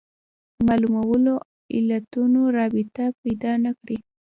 معلولونو علتونو رابطه پیدا نه کړي